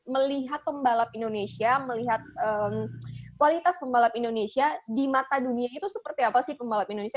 melihat pembalap indonesia melihat kualitas pembalap indonesia di mata dunia itu seperti apa sih pembalap indonesia